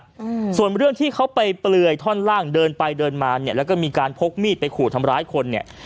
อืมส่วนเรื่องที่เขาไปเปลือยท่อนล่างเดินไปเดินมาเนี้ยแล้วก็มีการพกมีดไปขู่ทำร้ายคนเนี่ย